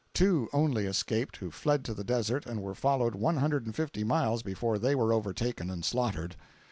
Two only escaped, who fled to the desert, and were followed one hundred and fifty miles before they were overtaken and slaughtered.